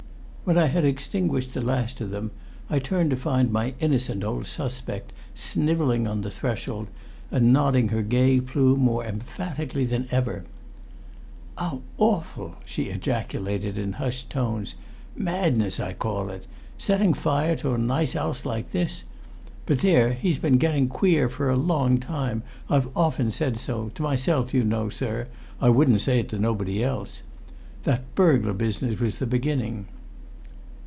When I had extinguished the last of them, I turned to find my innocent old suspect snivelling on the threshold, and nodding her gay plume more emphatically than ever. "'Ow awful!" she ejaculated in hushed tones. "Madness, I call it. Setting fire to a nice 'ouse like this! But there, he's been getting queer for a long time. I've often said so to myself, you know, sir I wouldn't say it to nobody else. That burgular business was the beginning."